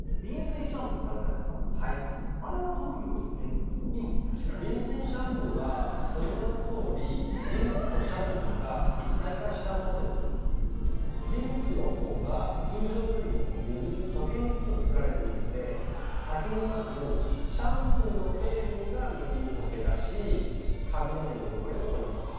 なんで⁉ちなみにリンス・イン・シャンプーはその名のとおりリンスとシャンプーがリンスのほうが通常よりも水に溶けにくく作られているので先にまずシャンプーの成分が水に溶け出し髪の毛の汚れを取ります。